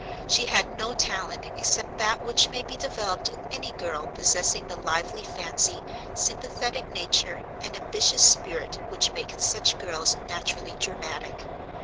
She had no talent except that which may be developed in any girl possessing the lively fancy, sympathetic nature, and ambitious spirit which make such girls naturally dramatic.